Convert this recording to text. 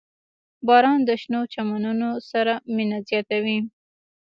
• باران د شنو چمنونو سره مینه زیاتوي.